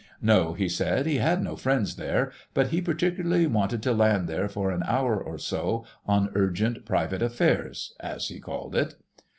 No, he said, he had no friends there, but he particularly wanted to land there for an hour or so on urgent private affairs, as he called it.